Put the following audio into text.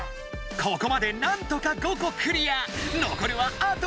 ここまでなんとか５個クリア。